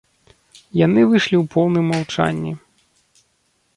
Яны выйшлі ў поўным маўчанні.